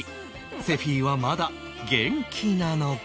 セフィはまだ元気なのか？